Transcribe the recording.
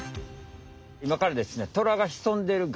いまからですね